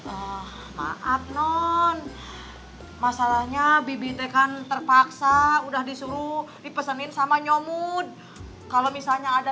oh maaf non masalahnya bibite kan terpaksa udah disuruh dipesenin sama nyomut kalau misalnya ada